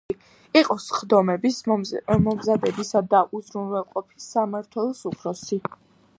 იყო სხდომების მომზადებისა და უზრუნველყოფის სამმართველოს უფროსი.